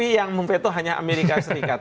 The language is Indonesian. tetapi yang namanya tomat itu hanya amerika serikat